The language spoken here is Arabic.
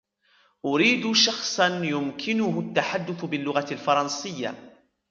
أريد شخص يمكنه التحدث باللغة الفرنسية.